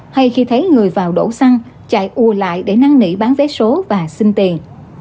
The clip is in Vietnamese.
hay khi thấy người vào đổ xăng chạy ùa lại để năng nỉ bán vé số và xin tiền